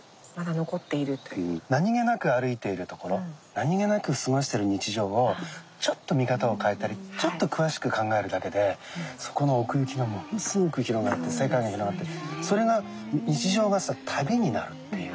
何気なく歩いているところ何気なく過ごしてる日常をちょっと見方を変えたりちょっと詳しく考えるだけでそこの奥行きがものすごく広がって世界が広がってそれが日常が旅になるっていう。